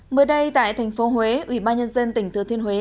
mới đây tại thành phố huế ubnd tỉnh thừa thiên huế